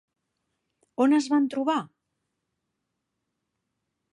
On es van trobar?